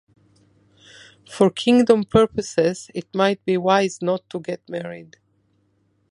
For kingdom purposes, it might be wise not to get married.